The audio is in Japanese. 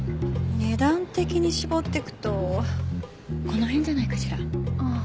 値段的に絞って行くとこのへんじゃないかしら。